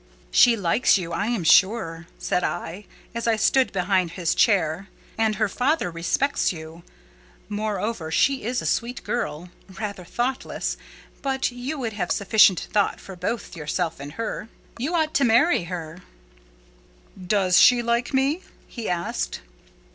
"She likes you, I am sure," said I, as I stood behind his chair, "and her father respects you. Moreover, she is a sweet girl—rather thoughtless; but you would have sufficient thought for both yourself and her. You ought to marry her." "Does she like me?" he asked.